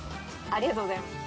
ありがとうございます。